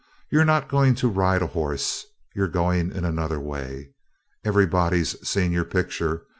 You're not going to ride a horse. You're going in another way. Everybody's seen your picture.